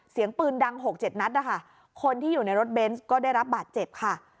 เสียงปืนดังหกเจ็ดนัดนะคะคนที่อยู่ในรถเบนส์ก็ได้รับบาดเจ็บค่ะ